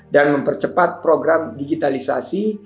dan mempercepat program digitalisasi